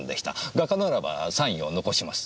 画家ならばサインを残します。